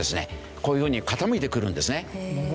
こういうふうに傾いてくるんですね。